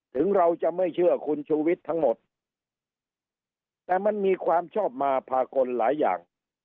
ถึงเราจะไม่เชื่อคุณชูวิทย์ทั้งหมดแต่มันมีความชอบมาพากลหลายอย่าง